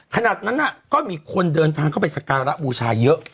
ขนาดนั้นก็มีคนเดินทางเข้าไปสการะบูชาเยอะ